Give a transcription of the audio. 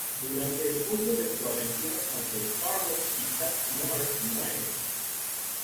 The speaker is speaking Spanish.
Durante el curso de su aventura tanto "Sparrow" y "Chat Noir" mueren.